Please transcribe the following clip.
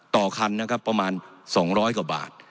ต่อคันประมาณ๒๐๐กว่าบาท